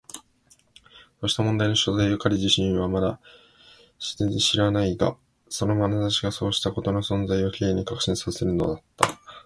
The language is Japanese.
そうした問題の存在を彼自身はまだ全然知らないが、そのまなざしがそうしたことの存在を Ｋ に確信させるのだった。